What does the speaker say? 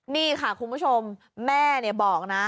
นี่ค่ะคุณผู้ชมแม่บอกนะ